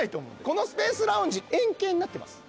このスペースラウンジ円形になってます。